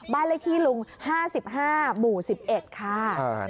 บ้านไรขี่ลุง๕๕๒๑คราว